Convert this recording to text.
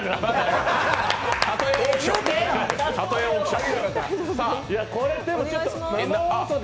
たとえオークション。